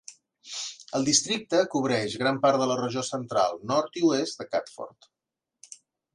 El districte cobreix gran part de la regió central, nord i oest de Catford.